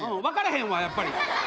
分からへんわやっぱり。